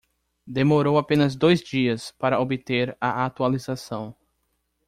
Demorou apenas dois dias para obter a atualização.